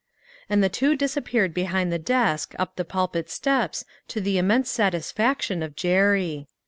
And the two disappeared behind the desk up the pulpit stairs to the immense satisfaction of Jerry.